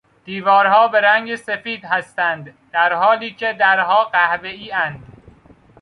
دیوارها به رنگ سفید هستند درحالیکه درها قهوهایاند.